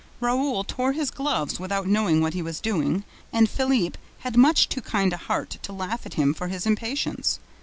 Raoul tore his gloves without knowing what he was doing and Philippe had much too kind a heart to laugh at him for his impatience.